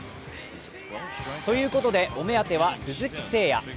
ということで、お目当ては鈴木誠也